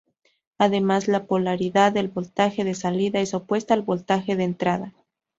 Además, la polaridad del voltaje de salida es opuesta al voltaje de entrada.